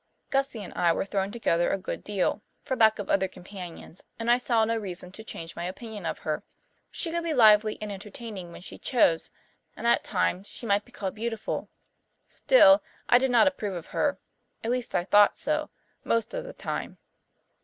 Gussie and I were thrown together a good deal, for lack of other companions, and I saw no reason to change my opinion of her. She could be lively and entertaining when she chose, and at times she might be called beautiful. Still, I did not approve of her at least I thought so, most of the time.